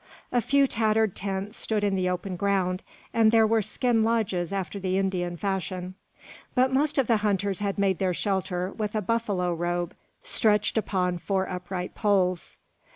A few tattered tents stood in the open ground; and there were skin lodges after the Indian fashion. But most of the hunters had made their shelter with a buffalo robe stretched upon four upright poles.